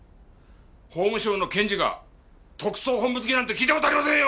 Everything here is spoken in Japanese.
法務省の検事が特捜本部付きなんて聞いた事ありませんよ！